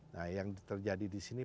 nah yang terjadi di sini